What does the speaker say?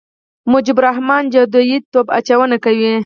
مجيب الرحمن جادويي توپ اچونه کوي.